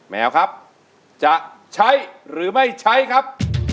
แมวครับจะใช้หรือไม่ใช้ครับ